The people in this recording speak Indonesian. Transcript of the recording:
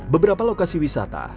beberapa lokasi wisata